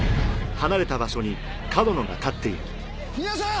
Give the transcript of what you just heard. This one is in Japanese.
皆さん！